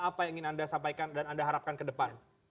apa yang ingin anda sampaikan dan anda harapkan ke depan